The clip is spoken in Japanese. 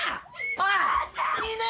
おい！